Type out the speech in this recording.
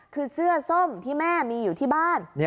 คือเสื้อส้มที่แม่มีอยู่ที่บ้าน